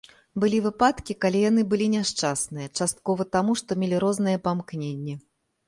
Былі выпадкі, калі яны былі няшчасныя, часткова таму, што мелі розныя памкненні.